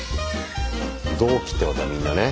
同期ってことだよみんなね。